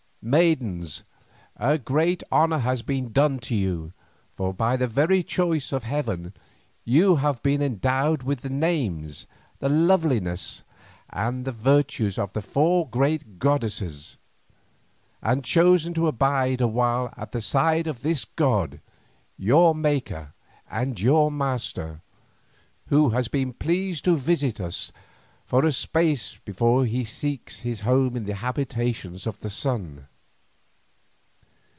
Maidens, a great honour has been done to you, for by the very choice of heaven, you have been endowed with the names, the lovelinesses, and the virtues of the four great goddesses, and chosen to abide a while at the side of this god, your maker and your master, who has been pleased to visit us for a space before he seeks his home in the habitations of the Sun.